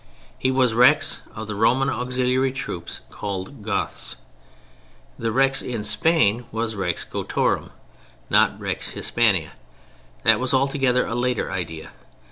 He was Rex of the Roman auxiliary troops called "Goths." The "Rex" in Spain was "Rex Gotorum," not "Rex Hispaniæ"—that was altogether a later idea.